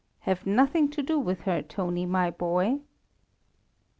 Have nothing to do with her, Toni, my boy!"